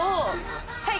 はい。